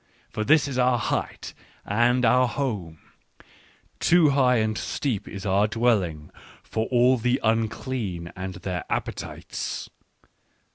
" For this is our height and our home : too high and steep is our dwelling for all the unclean and their appetites.